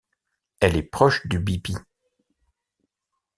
Elle est proche du bipi.